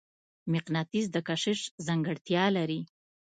مقناطیس د کشش ځانګړتیا لري.